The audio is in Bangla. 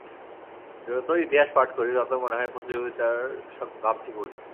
যতই ইতিহাস পাঠ করি, ততই মনে হয়, প্রতিযোগিতার ভাবটি ভুল।